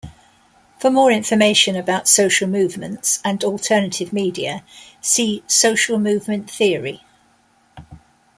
For more information about social movements, and alternative media, see Social movement theory.